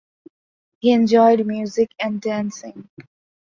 He enjoyed music and dancing.